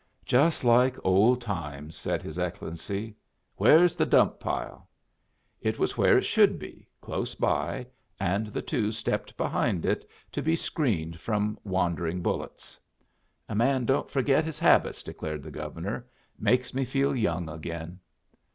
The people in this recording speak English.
"Just like old times!" said his Excellency. "Where's the dump pile!" It was where it should be, close by, and the two stepped behind it to be screened from wandering bullets. "A man don't forget his habits," declared the Governor. "Makes me feel young again."